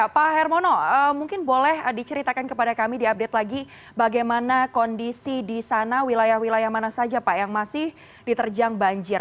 pak hermono mungkin boleh diceritakan kepada kami diupdate lagi bagaimana kondisi di sana wilayah wilayah mana saja pak yang masih diterjang banjir